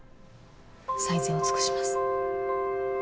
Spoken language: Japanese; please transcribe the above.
最善を尽くします。